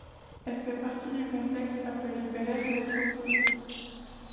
Elle fait partie du complexe appelé Bel-Air Métropole.